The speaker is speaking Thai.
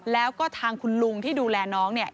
แล้วก็ทางคุณลุงที่ดูแลน้องเนี่ย